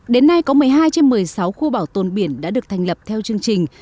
đến nay có một mươi hai trên một mươi sáu khu bảo tồn biển đã được thành lập theo chương trình